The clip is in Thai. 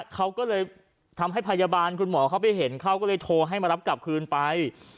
เขาก็เลยทำให้พยาบาลคุณหมอเขาไปเห็นเขาก็เลยโทรให้มารับกลับคืนไป